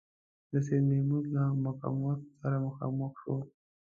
د سیدمحمود له مقاومت سره مخامخ شو.